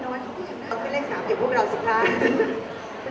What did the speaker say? ไม่เรียกาน